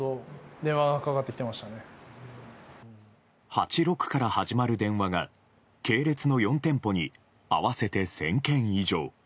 ８６から始まる電話が系列の４店舗に合わせて１０００件以上。